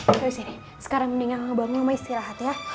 ayo sini sekarang mendingan bangun mama istirahat ya